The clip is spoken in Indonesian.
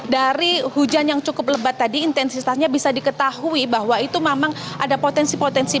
dari hujan yang cukup lebat tadi intensitasnya bisa diketahui bahwa itu memang ada potensi potensi